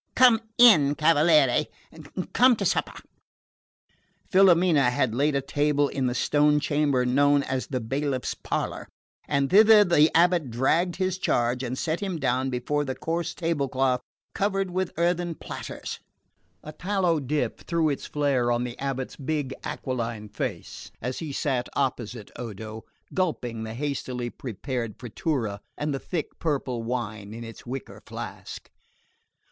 Come in, cavaliere; come to supper." Filomena had laid a table in the stone chamber known as the bailiff's parlour, and thither the abate dragged his charge and set him down before the coarse tablecloth covered with earthen platters. A tallow dip threw its flare on the abate's big aquiline face as he sat opposite Odo, gulping the hastily prepared frittura and the thick purple wine in its wicker flask.